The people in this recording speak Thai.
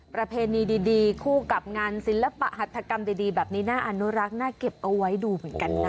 ประเพณีดีคู่กับงานศิลปหัฐกรรมดีแบบนี้น่าอนุรักษ์น่าเก็บเอาไว้ดูเหมือนกันนะ